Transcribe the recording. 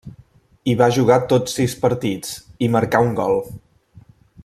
Hi va jugar tots sis partits, i marcà un gol.